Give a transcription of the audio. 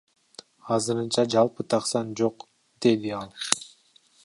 Азырынча жалпы так сан жок, — деди ал.